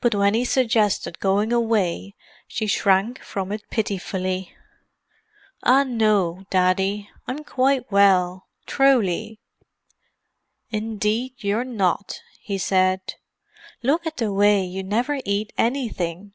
But when he suggested going away she shrank from it pitifully. "Ah, no, Daddy. I'm quite well, truly." "Indeed you're not," he said. "Look at the way you never eat anything!"